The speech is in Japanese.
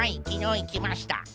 きのういきました。